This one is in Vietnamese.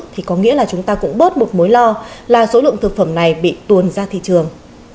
thì có nghĩa là chúng ta cũng bớt một mối lo là số lượng thực phẩm này bị tuồn ra thị trường